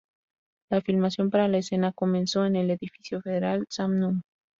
La filmación para la escena comenzó en el Edificio Federal Sam Nunn.